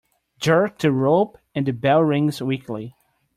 Jerk the rope and the bell rings weakly.